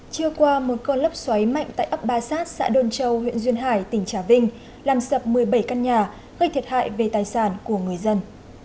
trưa qua một cơn lốc xoáy mạnh tại ấp ba sát xã đôn châu huyện duyên hải tỉnh trà vinh làm sập một mươi bảy căn nhà gây thiệt hại về tài sản của người dân